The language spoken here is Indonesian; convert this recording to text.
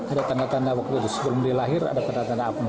ada tanda tanda waktu itu sebelum dia lahir ada tanda tanda apa